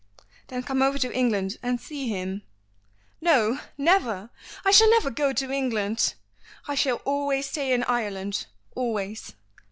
"Then come over to England and see him." "No never! I shall never go to England. I shall stay in Ireland always.